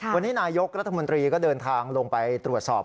วันนี้นายกรัฐมนตรีก็เดินทางลงไปตรวจสอบ